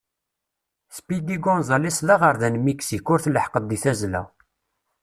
Speedy Gonzales, d aɣerda n Miksik ur tleḥḥqeḍ deg tazzla.